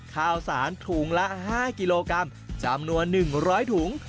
ข้าวสารถุงละ๕กิโลกรัมจำนวน๑๐๐ถุง